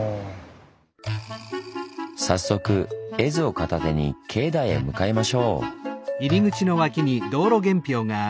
早速絵図を片手に境内へ向かいましょう。